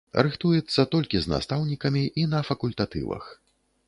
Рыхтуецца толькі з настаўнікамі і на факультатывах.